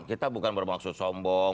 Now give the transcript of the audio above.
kita bukan bermaksud sombong